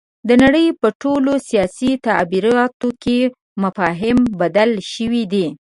د نړۍ په ټولو سیاسي تعبیراتو کې مفاهیم بدل شوي دي.